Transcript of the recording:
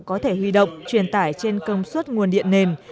có thể huy động truyền tải trên công suất nguồn điện nền